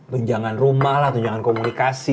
tunjangan rumah lah tunjangan komunikasi